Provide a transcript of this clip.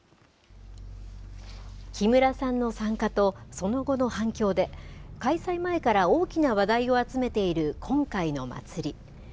木村さんの参加とその後の反響で、開催前から大きな話題を集めている今回の祭り。